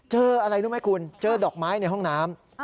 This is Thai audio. เจออะไรรู้ไหมคุณเจอดอกไม้ในห้องน้ำ